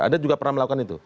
ada juga pernah melakukan itu